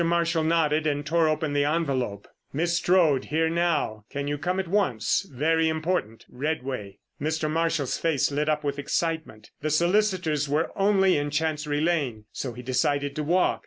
Marshall nodded, and tore open the envelope. "Miss Strode here now; can you come at once? Very important.—REDWAY." Mr. Marshall's face lit up with excitement. The solicitors were only in Chancery Lane, so he decided to walk.